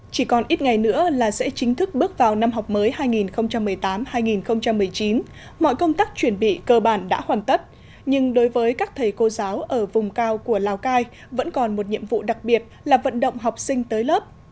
chỉ còn ít ngày nữa là sẽ chính thức bước vào năm học mới hai nghìn một mươi tám hai nghìn một mươi chín mọi công tác chuẩn bị cơ bản đã hoàn tất nhưng đối với các thầy cô giáo ở vùng cao của lào cai vẫn còn một nhiệm vụ đặc biệt là vận động học sinh tới lớp